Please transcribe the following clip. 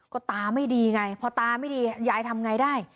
ก็ตาไม่ดีไงพอตาไม่ดียายทำไงได้